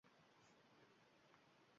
Kelajakka qarab bir dunyo